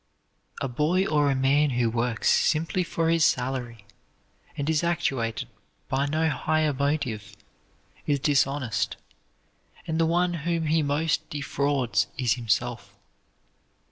A boy or a man who works simply for his salary, and is actuated by no higher motive, is dishonest, and the one whom he most defrauds is himself.